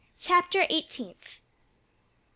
CHAPTER EIGHTEENTH.